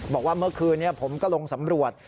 บอกว่าเมื่อคืนนี้ผมก็ลงสำรวจ